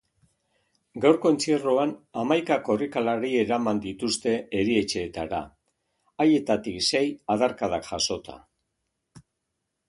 Gaurko entzierroan hamaika korrikalari eraman dituzte erietxeetara, haietatik sei adarkadak jasota.